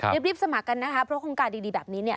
รีบสมัครกันนะคะเพราะโครงการดีแบบนี้เนี่ย